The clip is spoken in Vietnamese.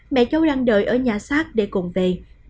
mẹ cháu đang đợi ở nhà sát để cùng về